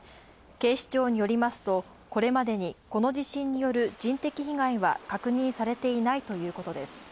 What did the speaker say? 警視庁によるとこれまでにこの地震による人的被害は確認されていないということです。